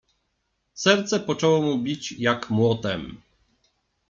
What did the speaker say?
Serce poczęło mu bić jak młotem.